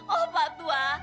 oh pak tua